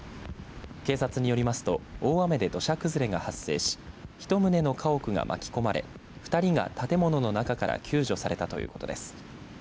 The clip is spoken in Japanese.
警察によりますと大雨で土砂崩れが発生し１棟の家屋が巻き込まれ２人が建物の中から救助されたということです。